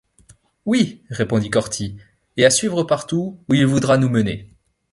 Oui, répondit Corty, et à suivre partout où il voudra nous mener!